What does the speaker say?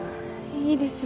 いいです